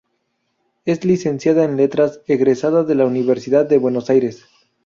Es licenciada en Letras, egresada de la Universidad de Buenos Aires.